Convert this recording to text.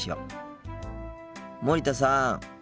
森田さん。